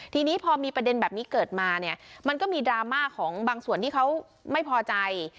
ทีนี้พอมีประเด็นแบบนี้เกิดมาเนี่ยมันก็มีดราม่าของบางส่วนที่เขาไม่พอใจ